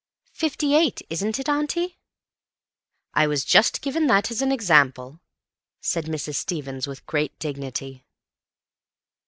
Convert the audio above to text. "Fifty eight, isn't it, auntie?" "I was just giving that as an example," said Mrs. Stevens with great dignity.